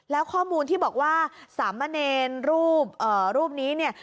แล้วข้อมูลที่บอกว่าสามเมนเนรูปอ่ารูปนี้เนี่ย